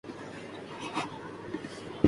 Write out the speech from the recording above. یقین رکھیے۔